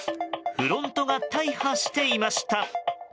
フロントが大破していました。